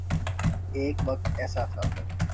ایک وقت ایسا تھا۔